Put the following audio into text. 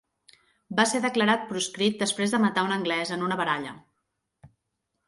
Va ser declarat proscrit després de matar un anglès en una baralla.